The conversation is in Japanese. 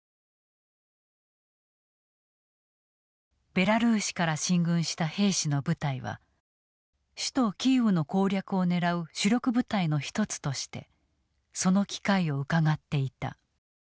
ベラルーシから進軍した兵士の部隊は首都キーウの攻略を狙う主力部隊の一つとしてその機会をうかがっていた。